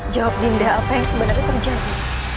jawab dinda apa yang sebenarnya terjadi